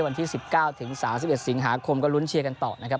วันที่๑๙ถึง๓๑สิงหาคมก็ลุ้นเชียร์กันต่อนะครับ